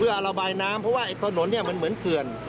เพื่อระบายน้ำเพราะว่าถนนเนี่ยมันเหมือนเขื่อน